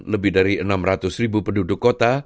lebih dari enam ratus ribu penduduk kota